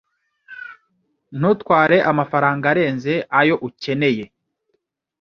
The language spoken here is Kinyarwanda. Ntutware amafaranga arenze ayo ukeneye.